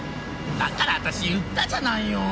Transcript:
だから私言ったじゃないよ！